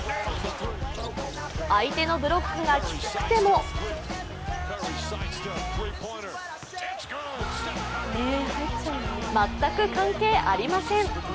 相手のブロックがきつくても全く関係ありません。